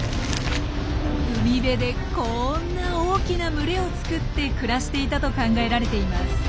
海辺でこんな大きな群れを作って暮らしていたと考えられています。